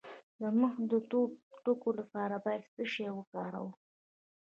د مخ د تور ټکو لپاره باید څه شی وکاروم؟